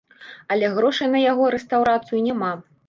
Але грошай на яго рэстаўрацыю няма.